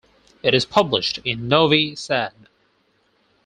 It is published in Novi Sad.